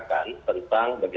pencegahan terhadap penyelenggaraan